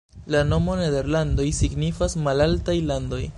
La nomo "Nederlandoj" signifas "malaltaj landoj".